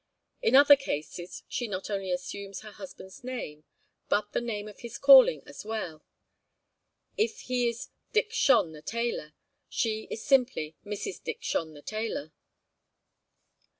In other cases, she not only assumes her husband's name, but the name of his calling as well; if he is Dick Shon the tailor, she is simply Mrs. Dick Shon the tailor.